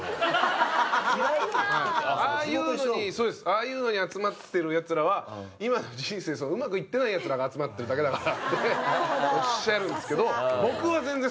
「ああいうのに集まってるやつらは今の人生うまくいってないやつらが集まってるだけだから」っておっしゃるんですけど。